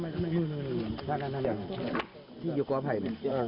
มันเลยทิ้งเข้าไปไหน